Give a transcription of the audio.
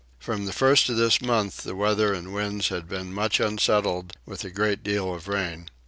From the first of this month the weather and winds had been much unsettled with a great deal of rain.